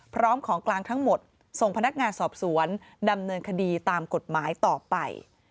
พร้อมของกลางทั้งหมดส่งพนักงานสอบสวนดำเนินคดีตามกฎหมายต่อไป